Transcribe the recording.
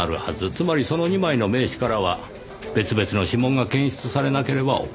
つまりその２枚の名刺からは別々の指紋が検出されなければおかしい。